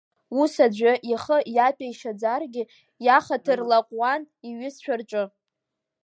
Ус аӡәы ихы иаҭәеишьаӡаргьы, иаҳаҭыр лаҟәуан иҩызцәа рҿы.